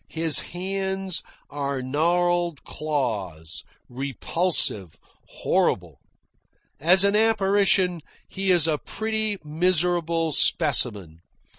His hands are gnarled claws, repulsive, horrible. As an apparition he is a pretty miserable specimen.